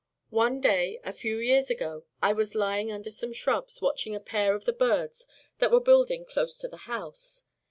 One day, a few years ago, I was lying under some shrubs, watching a pair of the birds that were building close to the house.